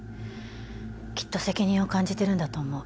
きっと責任を感じてるんだと思う。